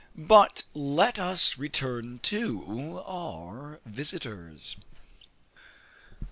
But let us return to our visiters.